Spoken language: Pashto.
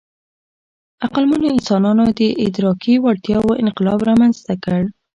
عقلمنو انسانانو د ادراکي وړتیاوو انقلاب رامنځ ته کړ.